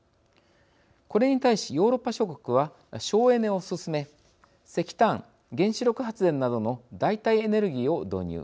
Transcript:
これに対し、ヨーロッパ諸国は省エネを進め石炭、原子力発電などの代替エネルギーを導入。